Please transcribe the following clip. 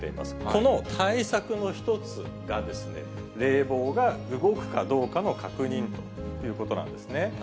この対策の一つがですね、冷房が動くかどうかの確認ということなんですね。